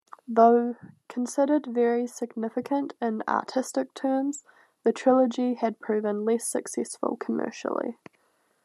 Though considered very significant in artistic terms, the trilogy had proven less successful commercially.